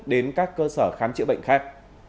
đến các cơ sở khám chữa bệnh khác